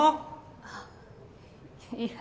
あっいや。